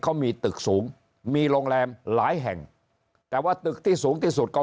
เขามีตึกสูงมีโรงแรมหลายแห่งแต่ว่าตึกที่สูงที่สุดก็